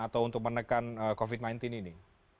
atau untuk menekan covid sembilan belas ini